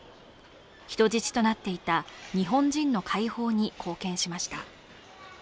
人質となっていた日本人の解放に貢献しました。